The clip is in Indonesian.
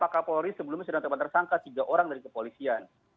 ya polri sebelumnya sudah terpetersangka tiga orang dari kepolisian